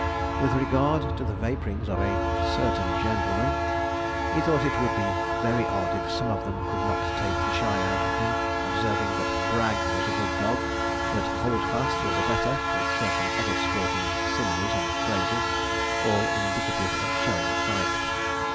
With regard to the vapourings of a 'certain gentleman,' he thought it would be very odd if some of them could not take the shine out of him, observing that 'Brag' was a good dog, but 'Holdfast' was a better, with certain other sporting similes and phrases, all indicative of showing fight.